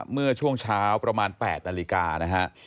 เมื่อช่วงเช้าประมาณ๘นาฬิกานะฮะ